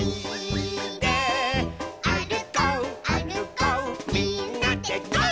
「あるこうあるこうみんなでゴー！」